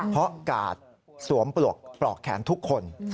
เพราะกาดสวมปลอกแขนทุกคน